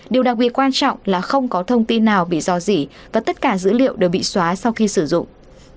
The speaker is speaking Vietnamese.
điều đặc biệt quan trọng là không có thông tin nào bị dò dỉ và tất cả dữ liệu đều bị xóa sau khi sử dụng